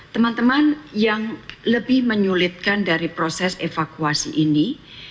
teman teman yang lebih menyulitkan dari proses evakuasi ini